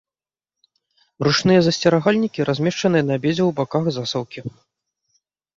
Ручныя засцерагальнікі размешчаныя на абедзвюх баках засаўкі.